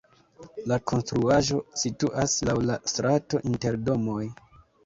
La konstruaĵo situas laŭ la strato inter domoj.